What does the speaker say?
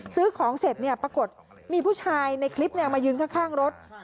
ซื้อของเสร็จปรากฏมีผู้ชายในคลิปมายืนข้างรถ